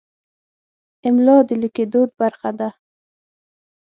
املا د لیکدود برخه ده.